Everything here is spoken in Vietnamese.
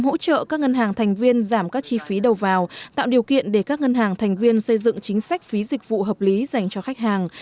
hỗ trợ các ngân hàng thành viên giảm các chi phí đầu vào tạo điều kiện để các ngân hàng thành viên xây dựng chính sách phí dịch vụ hợp lý dành cho khách hàng